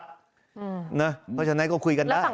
เพราะฉะนั้นก็คุยกันได้